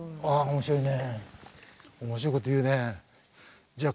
面白いね。